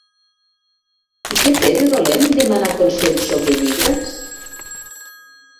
I què té de dolent demanar consell sobre llibres?